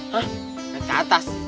hah ke atas